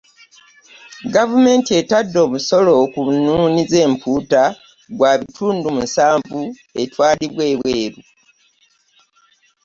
Gavumenti etadde omusolo ku nnuuni z'empuuta gwa bitundu musanvu etwalibwa ebweru